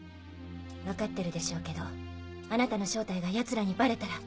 分かってるでしょうけどあなたの正体がヤツらにバレたら。